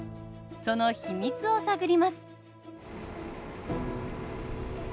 その秘密を探ります！